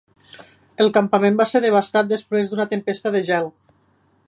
El campament va ser devastat després d'una tempesta de gel.